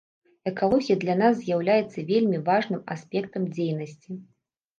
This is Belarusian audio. Экалогія для нас з'яўляецца вельмі важным аспектам дзейнасці.